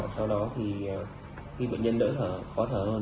sau đó thì khi bệnh nhân đỡ thở khó thở hơn